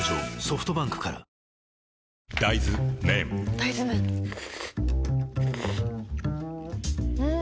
大豆麺ん？